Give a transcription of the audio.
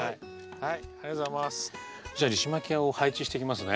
はい。